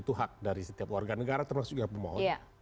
itu hak dari setiap warga negara termasuk juga pemohon